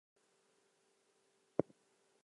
The song, as a single, was released in two parts.